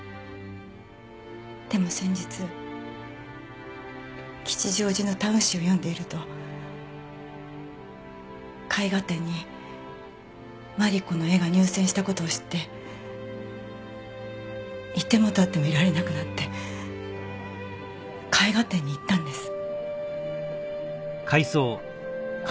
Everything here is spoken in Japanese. でも先日吉祥寺のタウン誌を読んでいると絵画展に真梨子の絵が入選した事を知って居ても立ってもいられなくなって絵画展に行ったんです。